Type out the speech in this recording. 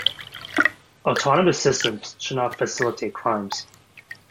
Autonomous systems should not facilitate crimes.